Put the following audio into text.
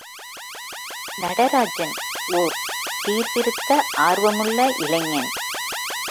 நடராஜன் ஓர் சீர்திருத்த ஆர்வமுள்ள இளைஞன்.